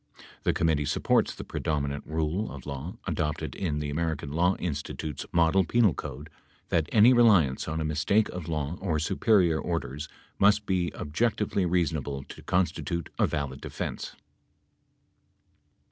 The committee supports the predominant rule of law adopted in the American Law In stitute's model penal code that any reliance on a mistake of law or superior orders must be objectively reasonable to constitute a valid defense.